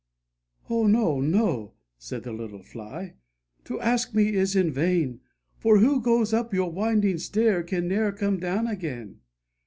"Oh, no, no," said the little Fly, "to ask me is in vain, For who goes up your winding stair can ne'er come down again."